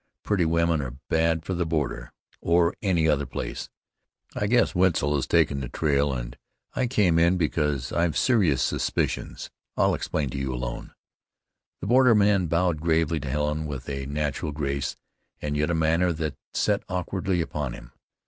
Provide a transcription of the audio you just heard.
Pretty women are bad for the border, or any other place, I guess. Wetzel has taken the trail, and I came in because I've serious suspicions I'll explain to you alone." The borderman bowed gravely to Helen, with a natural grace, and yet a manner that sat awkwardly upon him.